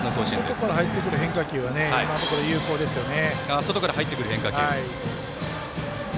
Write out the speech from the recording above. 外から入ってくる変化球は今のところ、有効ですよね。